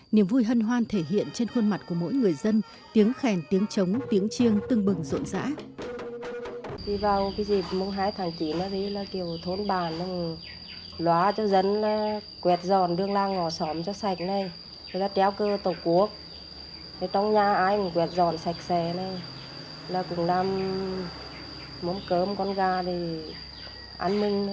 niềm vui hân hoan thể hiện trên khuôn mặt của mỗi người dân tiếng khèn tiếng trống tiếng chiêng tưng bừng rộn rã